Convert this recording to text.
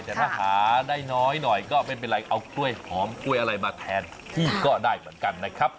แต่ถ้าหาได้น้อยหน่อยก็ไม่เป็นไรเอากล้วยหอมกล้วยอะไรมาแทนที่ก็ได้เหมือนกันนะครับ